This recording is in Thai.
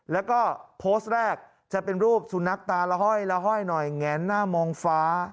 แล้วก็โพสต์แรกจะเป็นรูปสุนัขตาละห้อยละห้อยหน่อยแงนหน้ามองฟ้า